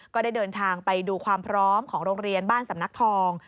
ก็ได้เดินทางไปดูความพร้อมของโรงเรียนบ้านสำนักทอง